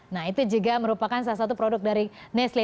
nah itu juga merupakan salah satu produk dari nestle